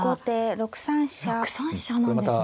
６三飛車なんですね。